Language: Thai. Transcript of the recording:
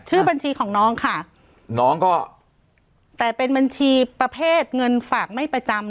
ชื่อบัญชีของน้องค่ะน้องก็แต่เป็นบัญชีประเภทเงินฝากไม่ประจำ